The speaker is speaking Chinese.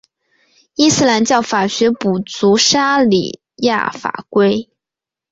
伊斯兰教法学补足沙里亚法规。